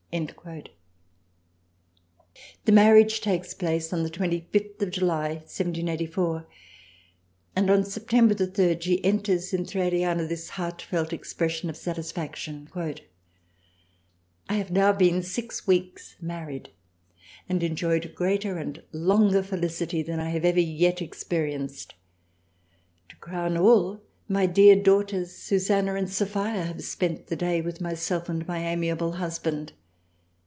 The marriage takes place on July 25th 1784, and THRALIANA 39 on September 3r(i she enters in Thraliana this heart felt expression of satisfaction —" I have now been six weeks married and enjoyed greater and longer Felicity than I ever yet experienced, — to crown all my dear daughters Susanna and Sophia have spent the Day with myself and my amiable Husband.